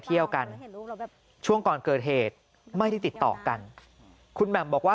เที่ยวกันช่วงก่อนเกิดเหตุไม่ได้ติดต่อกันคุณแหม่มบอกว่า